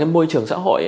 môi trường xã hội